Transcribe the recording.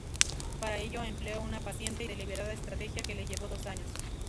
Para ello, empleó una paciente y deliberada estrategia, que le llevó dos años.